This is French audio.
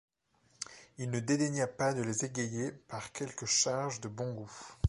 Il ne dédaigna pas de les égayer par quelques charges de bon goût.